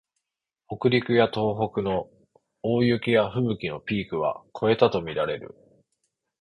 北陸や東北の大雪やふぶきのピークは越えたとみられる